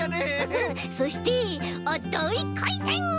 そしてあっだいかいてん！